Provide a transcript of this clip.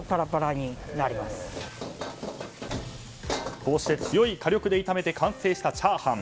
こうして強い火力で炒めて完成したチャーハン。